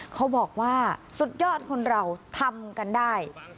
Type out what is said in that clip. เขาบอกว่าสุดยอดคนเราทำกันได้